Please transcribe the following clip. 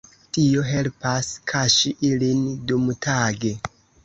Tio helpas kaŝi ilin dumtage.